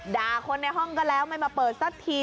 ด่าคนในห้องก็แล้วไม่มาเปิดสักที